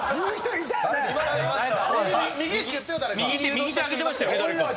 右手挙げてましたよね？